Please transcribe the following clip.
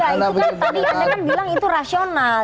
ya itu kan tadi anda kan bilang itu rasional